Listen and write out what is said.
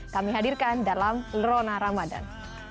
kami hadirkan dalam rona ramadan